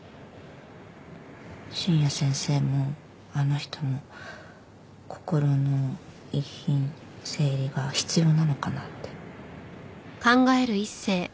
深夜先生もあの人も心の遺品整理が必要なのかなって。